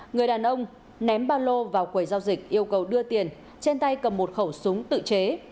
người đàn ông ném bà lô vào quầy giao dịch yêu cầu đưa tiền trên tay cầm một khẩu súng tự chế